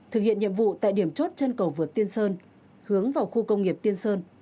thực hiện nhiệm vụ tại điểm chốt chân cầu vượt tiên sơn hướng vào khu công nghiệp tiên sơn